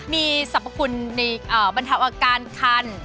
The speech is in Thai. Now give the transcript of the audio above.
มีสรรพคุณในบรรเทาอาการคัน